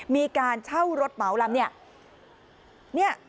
มีการเช่ารถเหมาลำเนี่ย